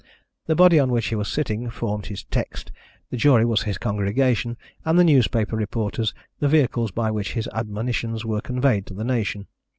The body on which he was sitting formed his text, the jury was his congregation, and the newspaper reporters the vehicles by which his admonitions were conveyed to the nation.